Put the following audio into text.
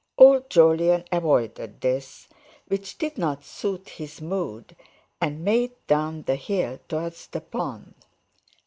Old Jolyon avoided this, which did not suit his mood, and made down the hill towards the pond.